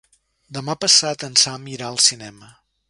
Demà passat en Sam irà al cinema.